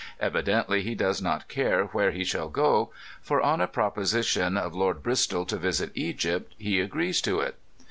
Evidently he does not care where he shall go, for on a proposition of Lord Bristol to visit Egypt he agrees to it.